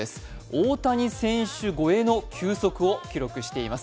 大谷選手超えの球速を記録しています。